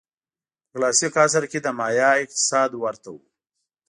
په کلاسیک عصر کې د مایا اقتصاد ورته و.